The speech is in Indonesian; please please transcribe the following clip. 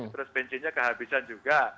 terus bensinnya kehabisan juga